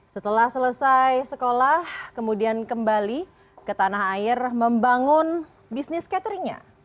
setelah selesai sekolah kemudian kembali ke tanah air membangun bisnis cateringnya